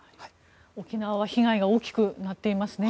沖縄は被害が大きくなっていますね。